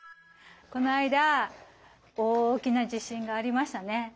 この間大きな地震がありましたね。